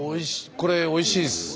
これおいしいです。